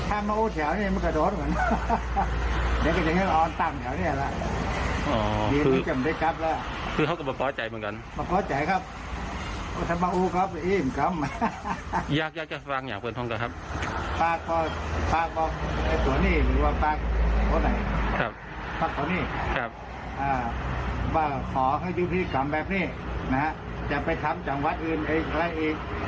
อ่าว่าขอให้ยุทธิกรรมแบบนี้นะฮะจะไปทำจำวัดอื่นอีกอะไรอีก